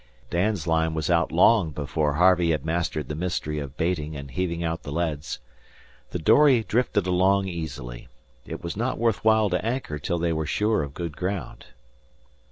Dan's line was out long before Harvey had mastered the mystery of baiting and heaving out the leads. The dory drifted along easily. It was not worth while to anchor till they were sure of good ground.